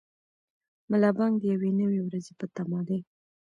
ملا بانګ د یوې نوې ورځې په تمه دی.